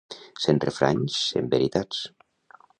Cent refranys, cent veritats.